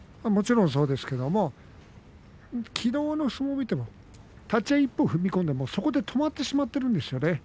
もちろんそうですがきのうの相撲を見ても立ち合い踏み込んで、そこで止まってしまっているんですね。